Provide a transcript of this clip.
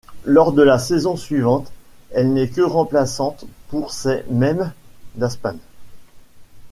Lors de la saison suivante, elle n'est que remplaçante pour ces mêmes ' d'Aspen.